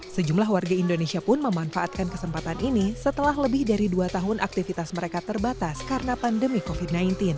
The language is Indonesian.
sejumlah warga indonesia pun memanfaatkan kesempatan ini setelah lebih dari dua tahun aktivitas mereka terbatas karena pandemi covid sembilan belas